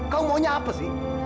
kamu maunya apa sih